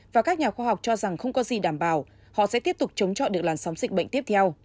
và các nhà khoa học cho rằng không có gì đảm bảo họ sẽ tiếp tục chống chọn được làn sóng dịch bệnh tiếp theo